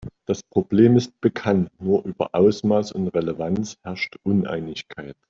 Das Problem ist bekannt, nur über Ausmaß und Relevanz herrscht Uneinigkeit.